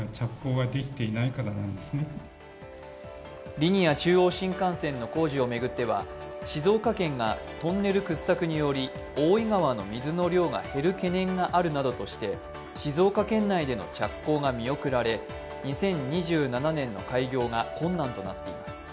リニア中央新幹線の工事を巡っては静岡県がトンネル掘削により、大井川の水の量が減る懸念があるとして静岡県内での着工が見送られ、２０２７年の開業が困難となっています。